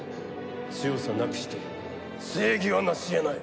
強さなくして正義はなし得ない。